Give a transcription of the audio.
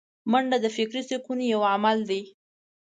منډه د فکري سکون یو عمل دی